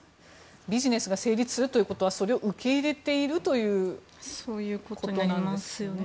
ビジネスが成立するということはそれを受け入れているということなんですかね。